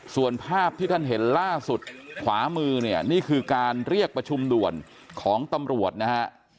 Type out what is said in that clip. ส่วนภาพที่ท่านเห็นล่าสุดขวามือเนี่ยนี่คือการเรียกประชุมด่วนของตำรวจนะฮะ